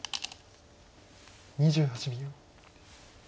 ２８秒。